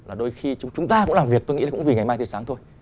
là đôi khi chúng ta cũng làm việc tôi nghĩ là cũng vì ngày mai tươi sáng thôi